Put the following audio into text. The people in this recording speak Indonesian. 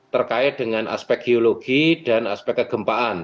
terkait dengan aspek geologi dan aspek kegempaan